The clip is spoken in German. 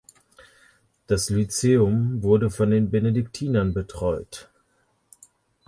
Das Lyzeum wurde von den Benediktinern betreut.